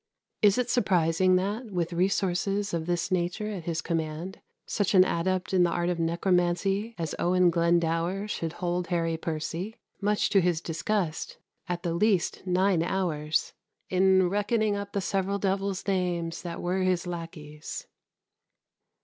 Is it surprising that, with resources of this nature at his command, such an adept in the art of necromancy as Owen Glendower should hold Harry Percy, much to his disgust, at the least nine hours "In reckoning up the several devils' names That were his lackeys"?